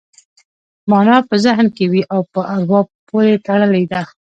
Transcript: مانا په ذهن کې وي او په اروا پورې تړلې ده